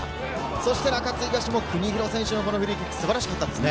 そして中津東も国広選手のフリーキック、すばらしかったですね。